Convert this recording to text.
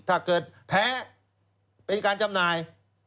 ถ้าเกิดแพ้เป็นการจำหน่าย